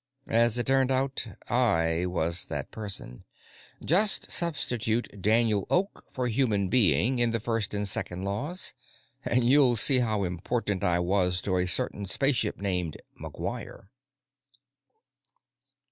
As it turned out, I was that person. Just substitute "Daniel Oak" for "human being" in the First and Second Laws, and you'll see how important I was to a certain spaceship named McGuire.